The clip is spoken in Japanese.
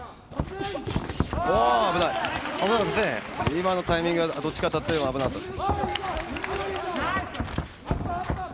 今のタイミング、どっちか当たってたら危なかったです。